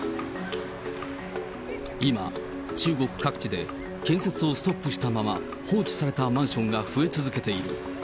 今、中国各地で建設をストップしたまま、放置されたマンションが増え続けている。